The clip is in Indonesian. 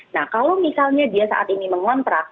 nah kalau misalnya dia saat ini mengontrak